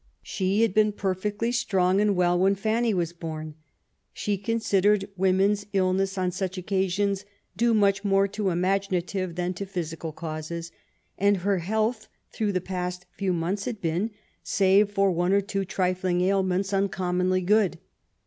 She had been perfectly strong and well when Fanny was born. She considered women's illness on such occasions due much more to imaginative than to physical causes, and her health through the past few months had been^ save for one or two trifling ailments, uncommonly good.